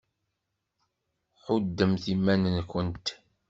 Ḥuddemt iman-went!